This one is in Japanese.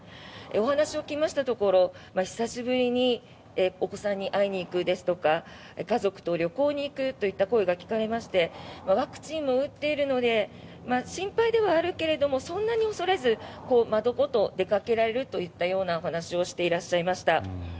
お話を聞きましたところ久しぶりにお子さんに会いに行くですとか家族と旅行に行くといった声が聞かれましてワクチンも打っているので心配ではあるけれどそんなに恐れず孫と出かけるという話をしていらっしゃいました。